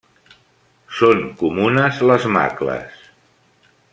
Són comunes les macles.